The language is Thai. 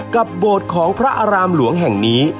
โบสถ์ของพระอารามหลวงแห่งนี้